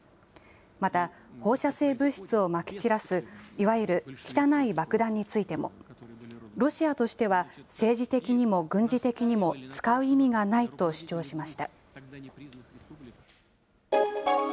また、放射性物質をまき散らす、いわゆる汚い爆弾についても、ロシアとしては政治的にも軍事的にも使う意味がないと主張しました。